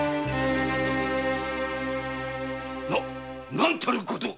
何たること！？